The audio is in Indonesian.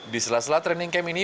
di sela sela training camp ini